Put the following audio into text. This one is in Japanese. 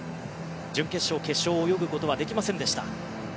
準決勝、決勝を泳ぐことはできませんでした。